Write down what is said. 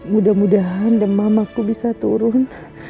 mudah mudahan demam aku bisa turun